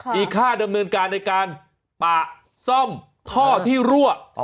มีค่าดำเนินการในการปะซ่อมท่อที่รั่ว